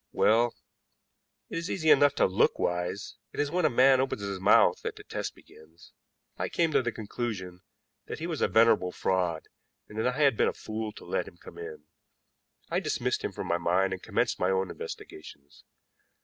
Well, it is easy enough to look wise; it is when a man opens his mouth that the test begins. I came to the conclusion that he was a venerable fraud, and that I had been a fool to let him come in. I dismissed him from my mind and commenced my own investigations.